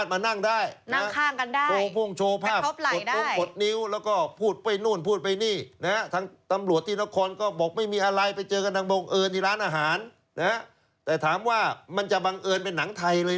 มันต้องบังเอิญที่ร้านอาหารแต่ถามว่ามันจะบังเอิญเป็นหนังไทยเลยนะ